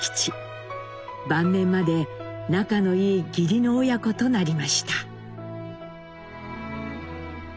晩年まで仲のいい義理の親子となりました。